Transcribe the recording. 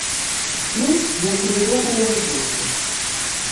Ну, як у любога рок-гурту.